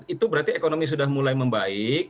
itu berarti ekonomi sudah mulai membaik